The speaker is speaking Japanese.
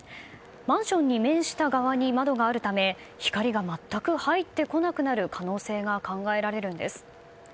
マンションに面した側に窓があるため光が全く入ってこなくなる可能性が考えられるんです。